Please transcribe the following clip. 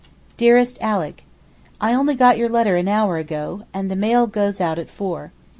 DEAREST ALICK, I only got your letter an hour ago, and the mail goes out at four.